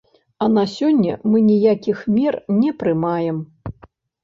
А на сёння мы ніякіх мер не прымаем.